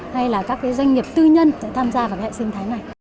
hay là các doanh nghiệp tư nhân sẽ tham gia vào hệ sinh thái này